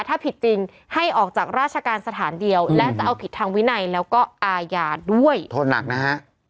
ถ้าผิดจริงให้ออกจากราชการสถานเดียวและจะเอาผิดทางวินัยแล้วก็อาญาด้วยโทษหนักนะฮะ